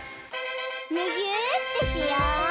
むぎゅーってしよう！